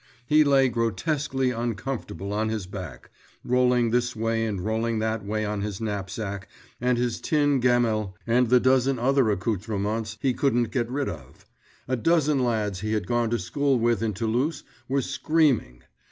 He lay grotesquely uncomfortable on his back, rolling this way and rolling that way on his knapsack and his tin gamelle and the dozen other accouterments he couldn't get rid of. A dozen lads he had gone to school with in Toulouse were screaming.